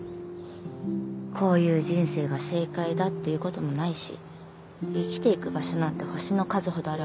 こういう人生が正解だっていう事もないし生きていく場所なんて星の数ほどあるわけだし。